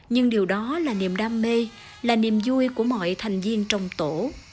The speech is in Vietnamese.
nhưng điều đó là niềm đam mê là niềm vui của mọi thành viên trong tổ